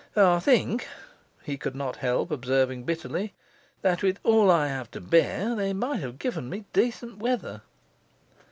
'I think,' he could not help observing bitterly, 'that with all I have to bear, they might have given me decent weather.